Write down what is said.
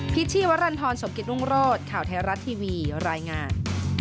ชชี่วรรณฑรสมกิตรุงโรศข่าวไทยรัฐทีวีรายงาน